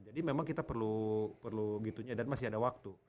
jadi memang kita perlu gitu nya dan masih ada waktu